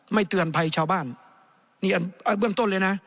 เตือนภัยชาวบ้านนี่เบื้องต้นเลยนะ